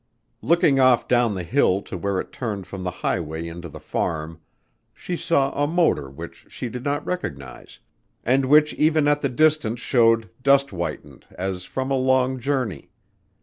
Looking off down the hill to where it turned from the highway into the farm, she saw a motor which she did not recognize and which even at the distance showed, dust whitened, as from a long journey.